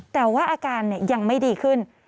แต่ว่าอาการยังไม่ดีขึ้น